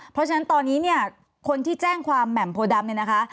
เพราะฉะนั้นตอนนี้เนี่ยคนที่แจ้งความแหม่มโพดำเนี่ยนะคะ